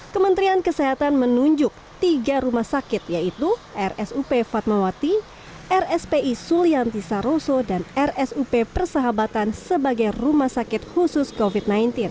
kementerian kesehatan menunjuk tiga rumah sakit yaitu rsup fatmawati rspi sulianti saroso dan rsup persahabatan sebagai rumah sakit khusus covid sembilan belas